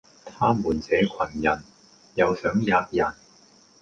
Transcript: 他們這羣人，又想喫人，